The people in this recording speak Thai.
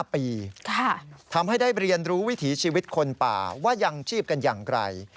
๕ปีทำให้ได้เรียนรู้วิถีชีวิตคนป่าว่ายังชีพกันอย่างไร